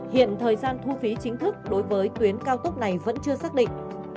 hiện thời gian thu phí chính thức đối với tuyến cao tốc này vẫn chưa xác định